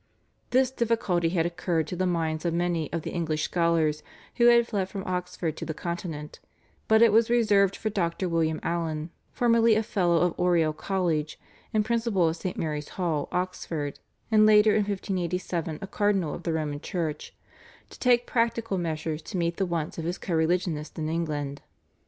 This difficulty had occurred to the minds of many of the English scholars who had fled from Oxford to the Continent, but it was reserved for Dr. William Allen, formerly a Fellow of Oriel College, and Principal of St. Mary's Hall, Oxford, and later in 1587 a Cardinal of the Roman Church, to take practical measures to meet the wants of his co religionists in England.